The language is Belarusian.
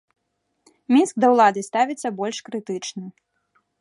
Мінск да ўлады ставіцца больш крытычна.